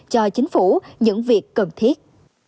cho chính phủ những việc cần thiết